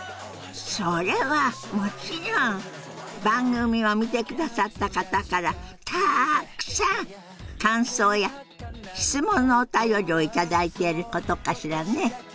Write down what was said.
それはもちろん番組を見てくださった方からたくさん感想や質問のお便りを頂いていることかしらね。